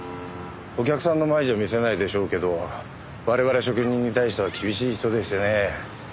お客さんの前じゃ見せないでしょうけど我々職人に対しては厳しい人でしてねえ。